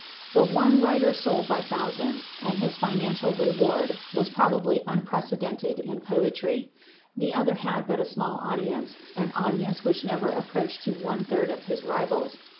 The one writer sold by thousands, and his financial reward was probably unprecedented in poetry; the other had but a small audience, an audience which never approached to one third of his rival's.